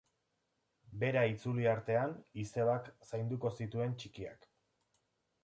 Bera itzuli artean, izebak zainduko zituen txikiak.